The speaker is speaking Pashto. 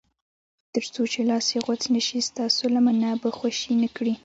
تر څو چې لاس یې غوڅ نه شي ستاسو لمنه به خوشي نه کړي.